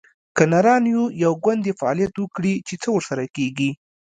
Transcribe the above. که نران یو، یو ګوند دې فعالیت وکړي؟ چې څه ورسره کیږي